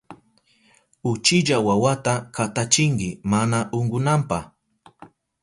Uchilla wawata katachinki mana unkunanpa.